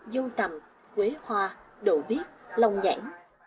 dâu tằm quế hoa đậu biếc lông nhãn